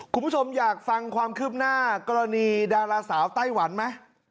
คุณผู้ชมอยากฟังความคืบหน้ากรณีดาราสาวไต้หวันไหม